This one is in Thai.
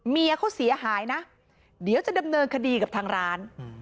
เมียเขาเสียหายนะเดี๋ยวจะดำเนินคดีกับทางร้าน